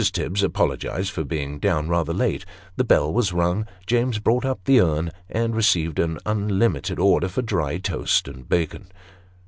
Tibbs apologized for being down rather late; the bell was rung ; James brought up the urn, and received an unlimited order for dry toast and bacon.